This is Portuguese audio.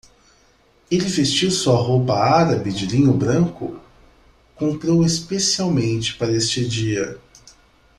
Ele vestiu sua roupa árabe de linho branco? comprou especialmente para este dia.